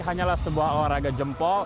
hanyalah sebuah olahraga jempol